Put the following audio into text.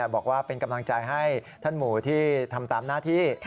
บอกว่าเป็นกำลังใจให้ท่านหมู่ที่ทำตามหน้าที่